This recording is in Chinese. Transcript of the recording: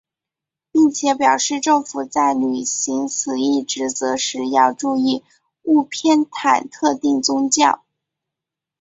并且表示政府在履行此一职责时要注意勿偏袒特定宗教。